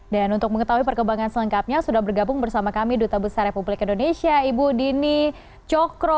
dan untuk mengetahui perkembangan selengkapnya sudah bergabung bersama kami duta besar republik indonesia ibu dini cokro